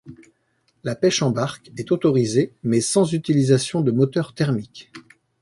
La pêche en barque est autorisé, mais sans utilisation de moteur thermique.